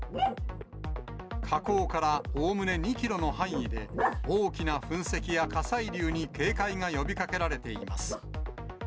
火口からおおむね２キロの範囲で、大きな噴石や火砕流に警戒が呼びかけられています。